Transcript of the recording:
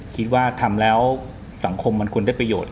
คิดว่าทำแล้วสังคมมันควรได้ประโยชน